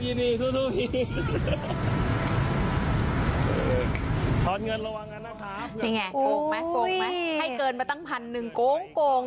นี่ไงโกงไหมโกงไหมให้เกินมาตั้งพันหนึ่งโกง